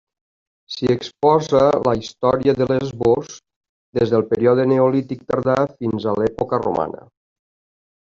S'hi exposa la història de Lesbos des del període neolític tardà fins a l'època romana.